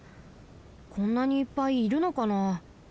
こんなにいっぱいいるのかな？